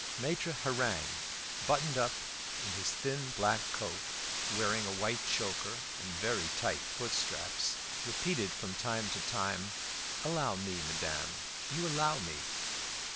Maitre Hareng, buttoned up in his thin black coat, wearing a white choker and very tight foot straps, repeated from time to time "Allow me, madame. You allow me?"